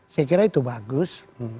saya kira itu bagus